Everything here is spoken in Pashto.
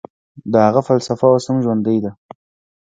د هغه فلسفه اوس هم ژوندۍ ده.